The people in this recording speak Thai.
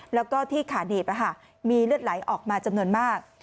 แล้วก็ที่ขาหนีบมีเลือดไหลออกมาจำนวนมาก